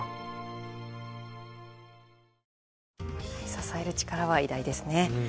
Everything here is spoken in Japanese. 支える力は偉大ですね。